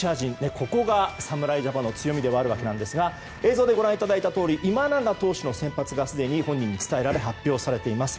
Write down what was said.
ここが侍ジャパンの強みであるわけですが映像でご覧いただいたとおり今永投手の先発がすでに本人にも伝えられ発表されています。